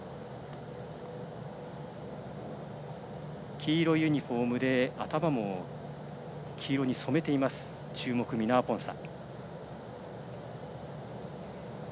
黄色いユニフォームで頭も黄色に染めている注目のミナアポンサ。